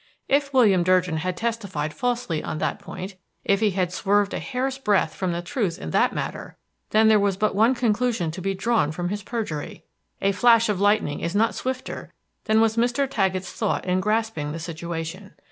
If William Durgin had testified falsely on that point, if he had swerved a hair's breadth from the truth in that matter, then there was but one conclusion to be drawn from his perjury. A flash of lightning is not swifter than was Mr. Taggett's thought in grasping the situation.